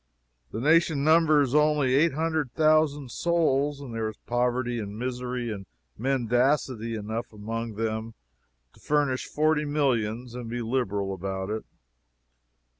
The nation numbers only eight hundred thousand souls, and there is poverty and misery and mendacity enough among them to furnish forty millions and be liberal about it.